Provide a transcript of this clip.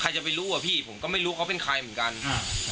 จะไปรู้อ่ะพี่ผมก็ไม่รู้เขาเป็นใครเหมือนกันอ่า